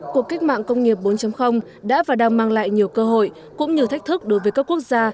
cuộc cách mạng công nghiệp bốn đã và đang mang lại nhiều cơ hội cũng như thách thức đối với các quốc gia